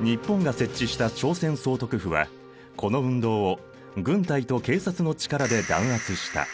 日本が設置した朝鮮総督府はこの運動を軍隊と警察の力で弾圧した。